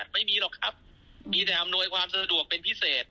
ไม่มีหรอกครับมีแต่อำนวยความสะดวกเป็นพิเศษ